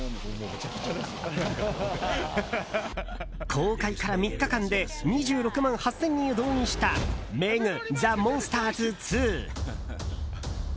公開から３日間で２６万８０００人を動員した「ＭＥＧザ・モンスターズ２」。